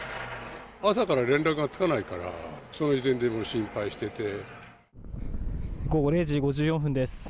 朝から連絡がつかないから、午後０時５４分です。